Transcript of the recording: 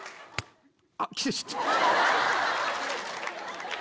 あっ切れちゃった。